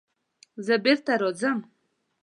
زه بېرته راځم.